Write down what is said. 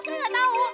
saya gak tau